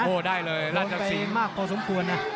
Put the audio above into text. วันนี้หัวใจก็ได้นะ